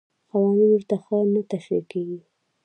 قوانین ورته ښه نه تشریح کېږي.